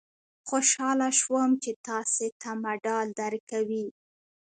خوشاله شوم چې تاسې ته مډال درکوي.